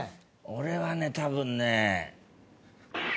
俺はね多分ね。